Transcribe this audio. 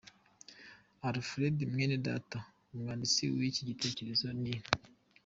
Alfred Mwenedata, Umwanditsi w’iki gitekerezo ni .